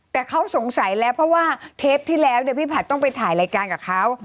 แต่เขาสงสัยแล้วเพราะว่าเทปที่แล้วเนี่ยพี่ผัดต้องไปถ่ายรายการกับเขา